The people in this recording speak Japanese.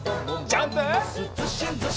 ジャンプ！